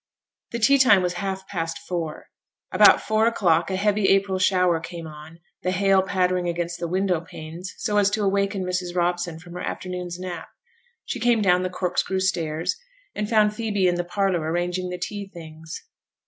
The tea time was half past four; about four o'clock a heavy April shower came on, the hail pattering against the window panes so as to awaken Mrs. Robson from her afternoon's nap. She came down the corkscrew stairs, and found Phoebe in the parlour arranging the tea things.